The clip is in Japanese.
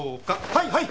はいはい！